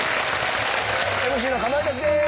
ＭＣのかまいたちです。